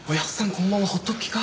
このまま放っとく気か？